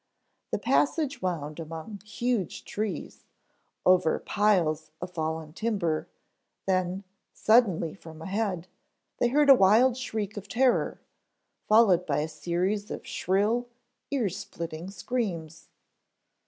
The passage wound among huge trees, over piles of fallen timber, then, suddenly from ahead, they heard a wild shriek of terror, followed by a series of shrill earsplitting screams.